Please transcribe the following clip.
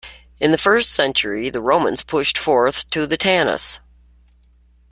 In the first century, the Romans pushed forth to the Taunus.